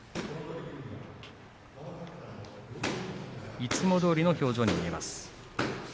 いつもどおりの表情に見えます。